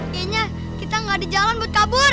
kayaknya kita nggak ada jalan buat kabur